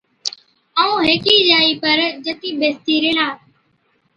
ائُون هيڪِي جائِي پر جتِي ٻيستِي ريهلا۔